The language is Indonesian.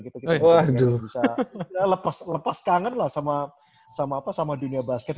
bisa lepas kangen lah sama dunia basket